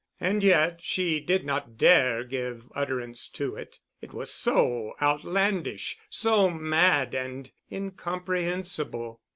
And yet she did not dare give utterance to it. It was so outlandish, so mad and incomprehensible.